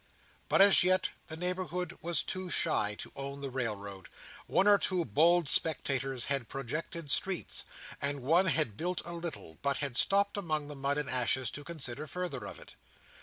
But as yet, the neighbourhood was shy to own the Railroad. One or two bold speculators had projected streets; and one had built a little, but had stopped among the mud and ashes to consider farther of it.